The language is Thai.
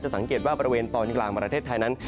สังเกตว่าบริเวณตอนกลางประเทศไทยนั้น